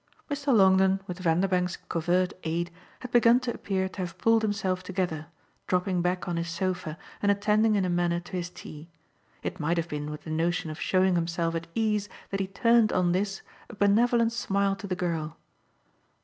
Mr. Longdon, with Vanderbank's covert aid, had begun to appear to have pulled himself together, dropping back on his sofa and attending in a manner to his tea. It might have been with the notion of showing himself at ease that he turned, on this, a benevolent smile to the girl.